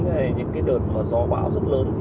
những cái đợt gió bão rất lớn